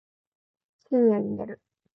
深夜に寝る